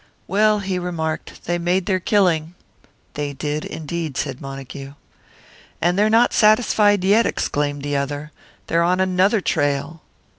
"Well," he remarked, "they made their killing." "They did, indeed," said Montague. "And they're not satisfied yet," exclaimed the other. "They're on another trail!"